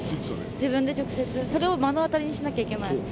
自分で直接、それを目の当たりにしなきゃいけない。